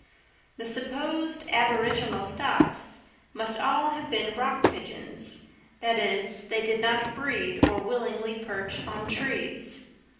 The supposed aboriginal stocks must all have been rock pigeons, that is, they did not breed or willingly perch on trees.